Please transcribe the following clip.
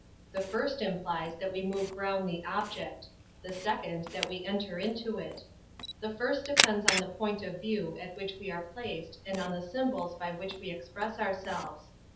The first implies that we move round the object; the second that we enter into it. The first depends on the point of view at which we are placed and on the symbols by which we express ourselves.